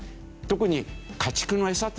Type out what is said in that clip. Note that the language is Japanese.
特に。